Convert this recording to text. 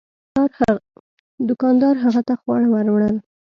دوکاندار هغه ته خواړه ور وړل.